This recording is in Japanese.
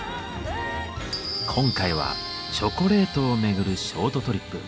今回はチョコレートをめぐるショートトリップ。